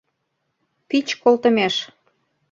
Пич колтымеш.